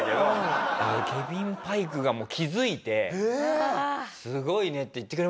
ケビン・パイクが気づいてすごいねって言ってくれましたか。